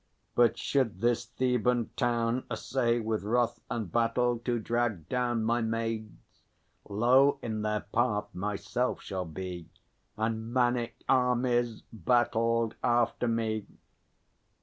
But should this Theban town Essay with wrath and battle to drag down My maids, lo, in their path myself shall be, And maniac armies battled after me!